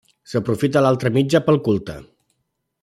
S'aprofita l'altra mitja pel culte.